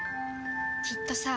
きっとさ